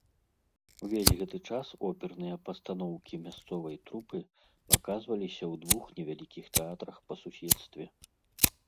Увесь гэты час оперныя пастаноўкі мясцовай трупы паказваліся ў двух невялікіх тэатрах па суседстве.